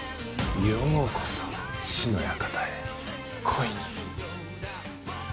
ようこそ死の館へ。